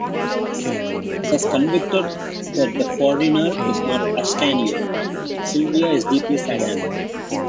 Thus convinced that the foreigner is not Ascanio, Silvia is deeply saddened.